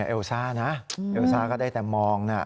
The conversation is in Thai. เอลซ่าก็ได้แต่มอง